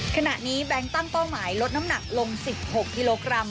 ขณะนี้แบงค์ตั้งต้องหมายลดน้ำหนักลง๑๖กิโลกรัม